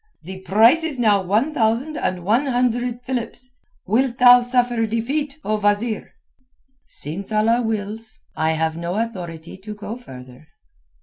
"The price is now one thousand and one hundred philips. Wilt thou suffer defeat, O wazeer?" "Since Allah wills. I have no authority to go further."